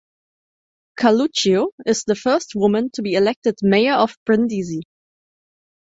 Carluccio is the first woman to be elected Mayor of Brindisi.